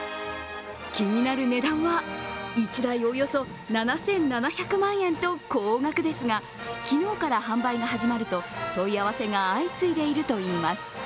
気になる値段は１台およそ７７００万円と高額ですが昨日から販売が始まると問い合わせが相次いでいるといいます。